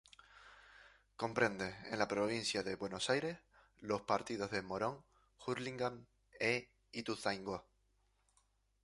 Comprende -en la provincia de Buenos Aires- los partidos de Morón, Hurlingham e Ituzaingó.